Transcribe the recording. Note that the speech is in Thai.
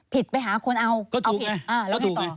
ผิดไปหาคนรังเพื่อก็ติดงาน